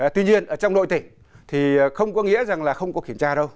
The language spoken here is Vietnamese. tuy nhiên ở trong nội tỉnh thì không có nghĩa rằng là không có kiểm tra đâu